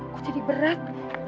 aku jadi berat